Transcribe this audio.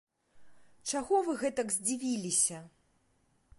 Чаго вы гэтак здзівіліся?